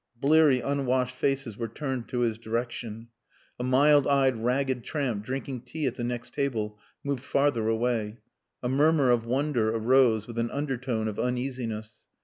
Bleary unwashed faces were turned to his direction. A mild eyed ragged tramp drinking tea at the next table moved farther away. A murmur of wonder arose with an undertone of uneasiness.